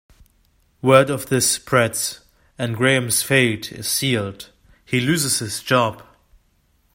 Word of this spreads, and Graham's fate is sealed; he loses his job.